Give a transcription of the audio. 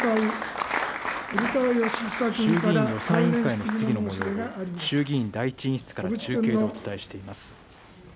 衆議院予算委員会の質疑のもようを、衆議院第１委員室から中継でお伝えしています。